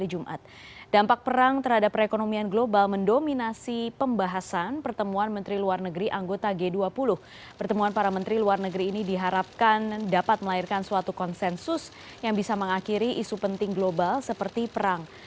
yang bisa mengakhiri isu penting global seperti perang